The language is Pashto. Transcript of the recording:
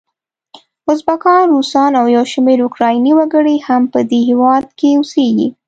ازبکان، روسان او یو شمېر اوکرایني وګړي هم په دې هیواد کې اوسیږي.